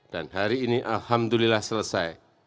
dan hari ini alhamdulillah selesai